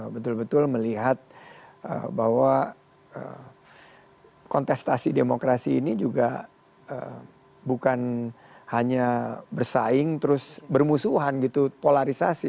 betul betul melihat bahwa kontestasi demokrasi ini juga bukan hanya bersaing terus bermusuhan gitu polarisasi